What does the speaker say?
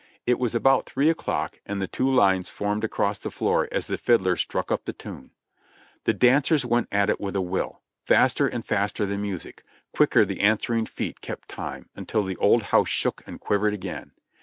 It was about three o'clock and the two lines formed across the floor as the fiddler struck up the tune. The dancers went at it with a will ; faster and faster the music ; quicker the answering feet kept time, until the old house shook and quivered again.